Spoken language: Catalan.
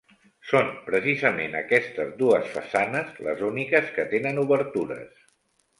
Són precisament, aquestes dues façanes, les úniques que tenen obertures.